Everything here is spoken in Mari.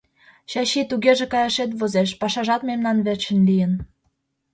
— Чачи, тугеже каяшет возеш, пашажат мемнан верчын лийын.